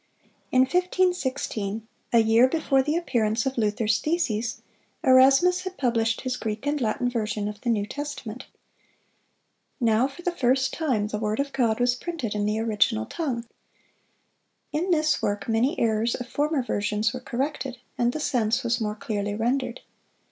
In 1516, a year before the appearance of Luther's theses, Erasmus had published his Greek and Latin version of the New Testament. Now for the first time the word of God was printed in the original tongue. In this work many errors of former versions were corrected, and the sense was more clearly rendered.